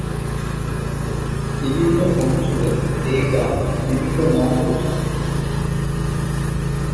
বিভিন্ন অঞ্চলে এই গান বিভিন্ন নাম পরিচিত।